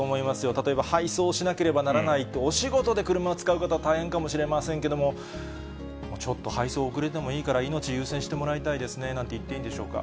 例えば配送しなければならないと、お仕事で車を使う方は大変かもしれませんけども、ちょっと配送遅れてもいいから、命優先してもらいたいですねなんて言っていいんでしょうか。